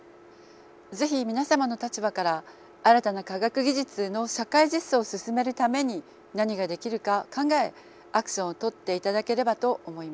是非皆様の立場から新たな科学技術の社会実装を進めるために何ができるか考えアクションをとっていただければと思います。